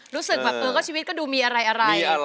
รู้สึกก็ชีวิตดูมีอะไร